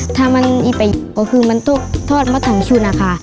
ถ้ามันไอ้ไปมันต้องทอดพรรณห์ชุลน่ะค่ะ